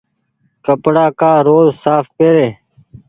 ڪپڙآ ڪآ روز ساڦ پيري۔